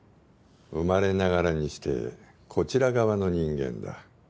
生まれながらにしてこちら側の人間だ。